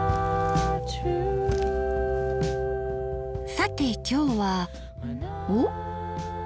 さて今日はおっ！